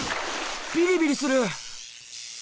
ビリビリする！